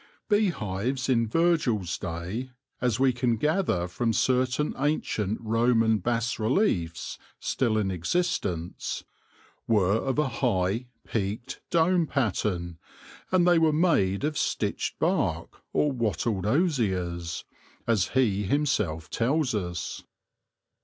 Bee hives in Virgil's day — as we can gather from certain ancient Roman bas reliefs still in existence — were of a high, peaked, dome pattern, and they were made of stitched bark, or wattled osiers, as he himself tells us.